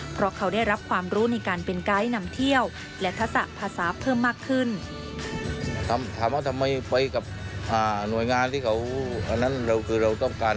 เพราะเขาได้รับความรู้ในการเป็นไกด์นำเที่ยวและทักษะภาษาเพิ่มมากขึ้น